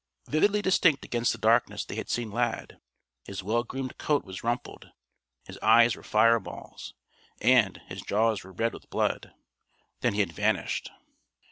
Vividly distinct against the darkness they had seen Lad. His well groomed coat was rumpled. His eyes were fire balls. And his jaws were red with blood. Then he had vanished.